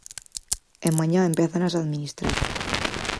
E mañá empézanas a administrar.